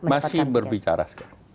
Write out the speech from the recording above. masih berbicara sekarang